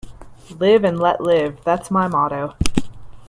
Live and let live, that's my motto.